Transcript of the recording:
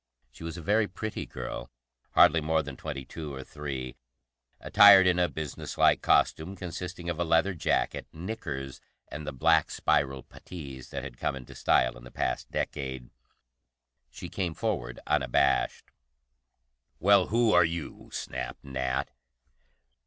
She was a very pretty girl, hardly more than twenty two or three, attired in a businesslike costume consisting of a leather jacket, knickers, and the black spiral puttees that had come into style in the past decade. She came forward unabashed. "Well, who are you?" snapped Nat.